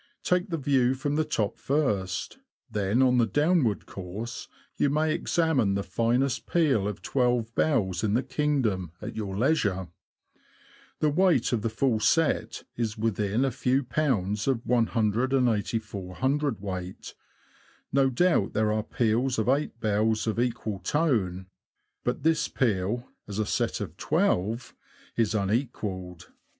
Take the view from the top first, then on the downward course you may examine the finest peal of twelve bells in the kingdom at your leisure. The weight of the full set is within a few pounds of i84cwt. No doubt there are peals of eight bells of equal tone, but this peal, as a set of twelve^ is unequalled.